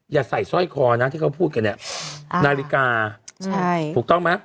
อย่าใส่สร้อยคอนะที่เขาพูดกันเนี่ยนาฬิกาถูกต้องไหม